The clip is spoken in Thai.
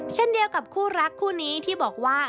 เช่นเดียวกับคู่รักคู่นี้ที่บอกว่า